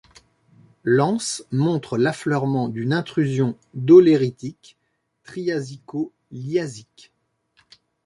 L'anse montre l'affleurement d'une Intrusion doléritique triasico-liasique.